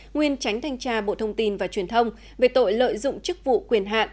nguyên tránh thanh tra bộ thông tin và truyền thông về tội lợi dụng chức vụ quyền hạn